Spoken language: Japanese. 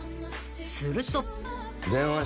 ［すると］